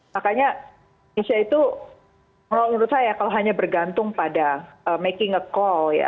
makanya indonesia itu menurut saya kalau hanya bergantung pada making a call ya